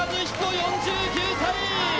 ４９歳。